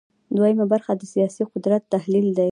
دویمه برخه د سیاسي قدرت تحلیل دی.